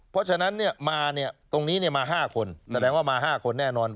บางคนขึ้นรอบบางคนขึ้นสองรอบ